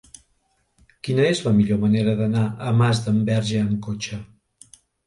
Quina és la millor manera d'anar a Masdenverge amb cotxe?